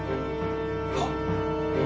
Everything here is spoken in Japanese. はっ。